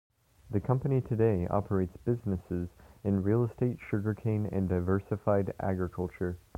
The company today operates businesses in real estate, sugarcane, and diversified agriculture.